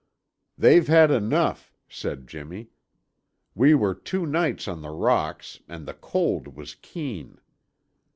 "They've had enough," said Jimmy. "We were two nights on the rocks and the cold was keen.